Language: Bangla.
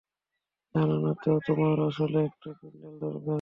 জানো তো, তোমার আসলে একটা কিন্ডেল দরকার।